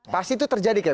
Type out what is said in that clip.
pasti itu terjadi